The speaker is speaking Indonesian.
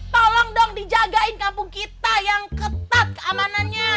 tolong dong dijagain kampung kita yang ketat keamanannya